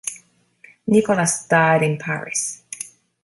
Nicolas died in Paris.